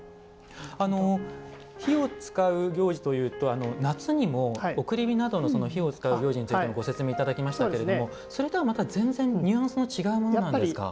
火を使う行事というと夏にも、送り火などの火を使う行事についてご説明いただきましたけどもそれとは全然ニュアンスの違うものなんですか？